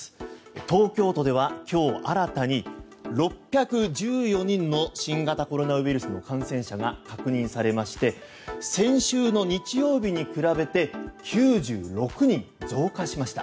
東京都では今日新たに６１４人の新型コロナウイルスの感染者が確認されまして先週の日曜日に比べて９６人増加しました。